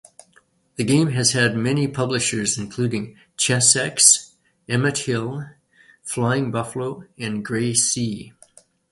The game has had many publishers, including Chessex, Emithill, Flying Buffalo and Greysea.